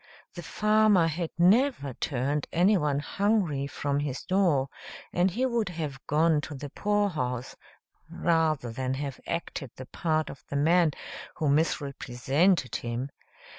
The farmer had never turned anyone hungry from his door, and he would have gone to the poorhouse rather than have acted the part of the man who misrepresented him.